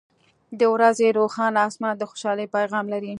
• د ورځې روښانه آسمان د خوشحالۍ پیغام لري.